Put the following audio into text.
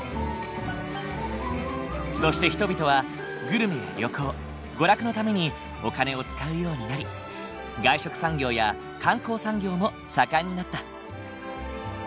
そして人々はグルメや旅行娯楽のためにお金を使うようになり外食産業や観光産業も盛んになった。